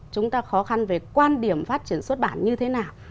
chúng ta khó khăn về quan điểm phát triển xuất bản như thế nào